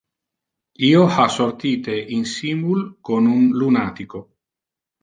Io ha sortite insimul con un lunatico.